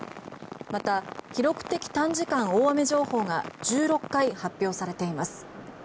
また、記録的短時間大雨情報が１６回発表されています。